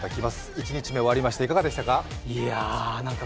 一日目終わりまして、いかがでしたか？